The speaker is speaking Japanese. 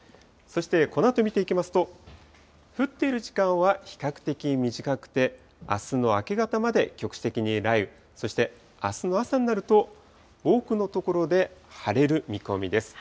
そしてこのあと見ていきますと、降っている時間は比較的短くて、あすの明け方まで局地的に雷雨、そしてあすの朝になると多くの所で晴れる見込みです。